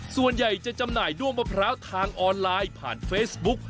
ส่วนใหญ่จะจำหน่ายด้วงมะพร้าวทางออนไลน์ผ่านเฟซบุ๊ก